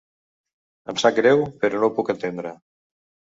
Em sap greu, però no ho puc entendre.